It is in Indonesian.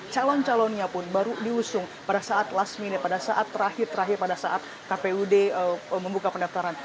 calon calonnya pun baru diusung pada saat last minute pada saat terakhir terakhir pada saat kpud membuka pendaftaran